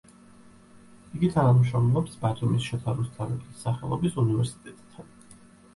იგი თანამშრომლობს ბათუმის შოთა რუსთაველის სახელობის უნივერსიტეტთან.